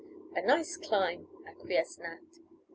"A nice climb," acquiesced Nat.